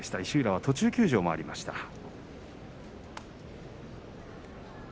石浦は途中休場もありました。